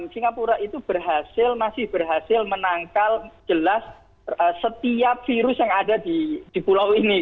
singapura itu berhasil masih berhasil menangkal jelas setiap virus yang ada di pulau ini